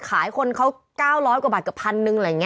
ขายคนเขา๙๐๐กว่าบาทกับ๑๐๐๐บาท